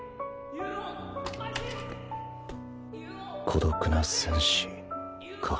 「孤独な戦士」か。